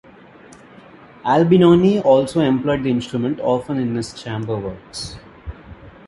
Albinoni also employed the instrument often in his chamber works.